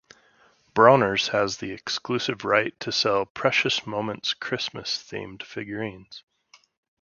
Bronner's has the exclusive right to sell Precious Moments Christmas-themed figurines.